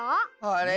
あれ？